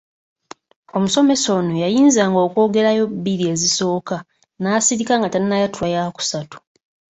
Omusomesa ono yayinzanga okwogerayo bbiri ezisooka n’asirika nga tannayatula yaakusatu.